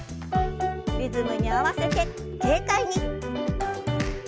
リズムに合わせて軽快に。